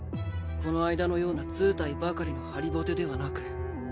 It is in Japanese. この間のような図体ばかりの張りぼてではなく。